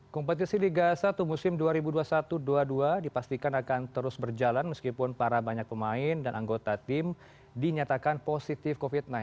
kompetisi liga satu musim dua ribu dua puluh satu dua ribu dua puluh dua dipastikan akan terus berjalan meskipun para banyak pemain dan anggota tim dinyatakan positif covid sembilan belas